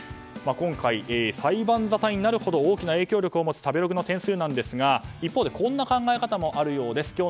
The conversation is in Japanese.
今回、裁判沙汰になるほど大きな影響力を持つ食べログの点数なんですが一方でこんな考え方もあるようです。